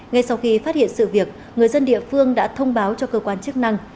ngay sau khi phát hiện sự việc người dân địa phương đã thông báo cho cơ quan chức năng